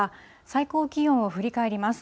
最高気温を振り返ります。